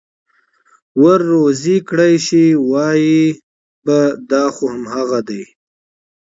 ور روزي كړى شي، وايي به: دا خو همغه دي چې: